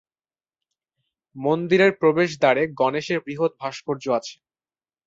মন্দিরের প্রবেশ দ্বারে গণেশ-এর বৃহৎ ভাস্কর্য আছে।